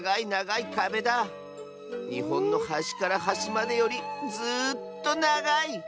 にほんのはしからはしまでよりずっとながい！